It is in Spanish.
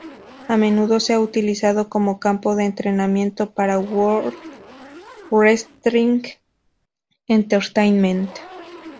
A menudo se ha utilizado como campo de entrenamiento para la World Wrestling Entertainment.